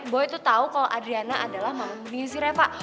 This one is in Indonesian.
gua tuh tau kalau adriana adalah anak muda reva